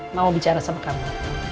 mau bicara sama kamu